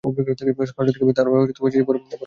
স্পষ্ট দেখতে পাচ্ছি তার ছোঁয়াচ যে বড়ো ভয়ানক।